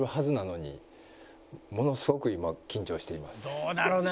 「どうだろうな？